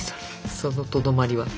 そのとどまりは。